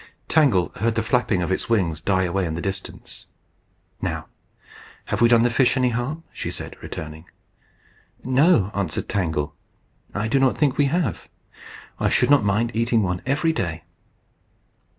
Tangle heard the flapping of its wings die away in the distance. "Now have we done the fish any harm?" she said, returning. "No," answered Tangle, "I do not think we have. I should not mind eating one every day."